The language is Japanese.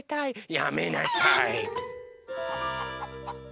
やめなさい！